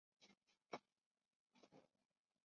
玩家可以驾驶货车运送货物穿梭欧洲大陆。